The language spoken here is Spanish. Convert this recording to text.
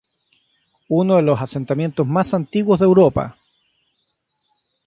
Uno de los asentamientos más antiguos de Europa.